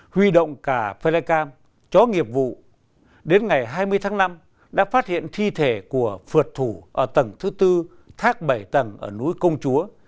huy động cả flecm chó nghiệp vụ đến ngày hai mươi tháng năm đã phát hiện thi thể của phượt thủ ở tầng thứ tư thác bảy tầng ở núi công chúa